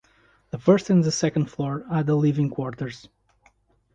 The first and the second floor are the living quarters.